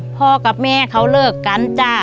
พ่อกับแม่เขาเลิกกันจ้า